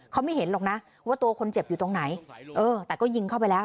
เขาไม่เห็นหรอกนะว่าตัวคนเจ็บอยู่ตรงไหนเออแต่ก็ยิงเข้าไปแล้ว